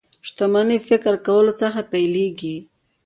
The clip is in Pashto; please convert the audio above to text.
شتمني له فکر کولو څخه پيلېږي